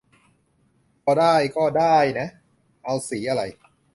พอได้ก็ด้ายนะ เอาสีอะไร